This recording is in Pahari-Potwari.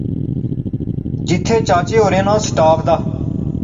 جتھے چاچے اوریں ناں سٹاپ دا